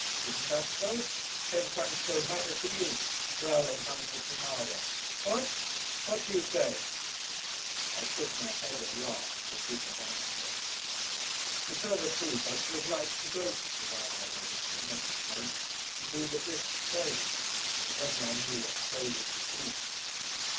Isn't that so? Ten francs don't matter to you. Well, then come to Tonara. What? What do you say?" I shook my head and laughed, but did not answer. To tell the truth I should have liked to go to Tonara with him and his mate and do the brisk trade: if only I knew what trade it would be.